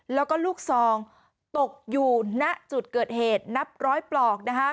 แล้วก็ลูกซองตกอยู่ณจุดเกิดเหตุนับร้อยปลอก